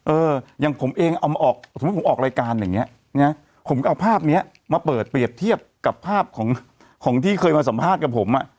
เอออย่างผมเองเอามาออกสมมุติผมออกรายการอย่างเงี้ยนะผมก็เอาภาพเนี้ยมาเปิดเปรียบเทียบกับภาพของของที่เคยมาสัมภาษณ์กับผมอ่ะ